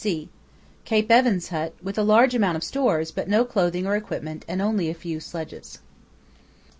(c) Cape Evans Hut with a large amount of stores, but no clothing or equipment and only a few sledges.